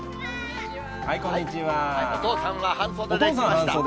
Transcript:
お父さんは半袖で来ました。